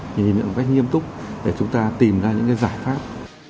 nhìn nhận một cách nghiêm túc để chúng ta tìm ra những cái giải pháp